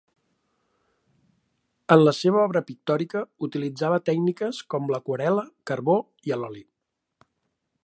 En la seva obra pictòrica utilitzava tècniques com l'aquarel·la, carbó i a l'oli.